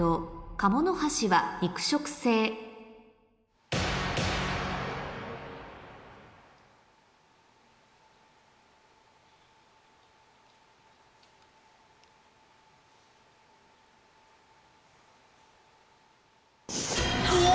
「カモノハシは肉食性」うお！